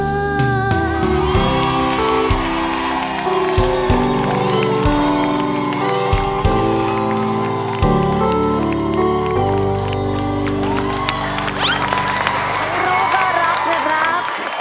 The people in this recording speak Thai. รูปารักนะครับ